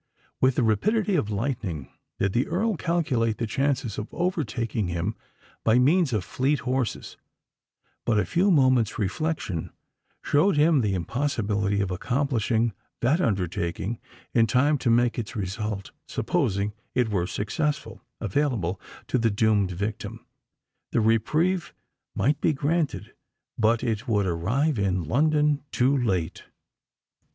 With the rapidity of lightning did the Earl calculate the chances of overtaking him by means of fleet horses: but a few moments' reflection showed him the impossibility of accomplishing that undertaking in time to make its result, supposing it were successful, available to the doomed victim. The reprieve might be granted—but it would arrive in London too late!